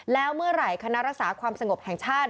แล้วเมื่อไหร่คณะรักษาความสงบแห่งชาติ